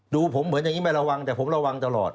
ดูผมเหมือนอย่างนี้ไม่ระวังแต่ผมระวังตลอด